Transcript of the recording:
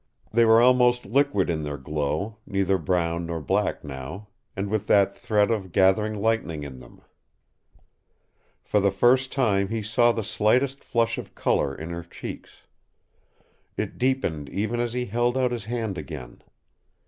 They were almost liquid in their glow, neither brown nor black now, and with that threat of gathering lightning in them. For the first time he saw the slightest flush of color in her cheeks. It deepened even as he held out his hand again.